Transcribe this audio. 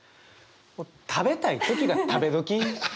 「食べたい時が食べ時」。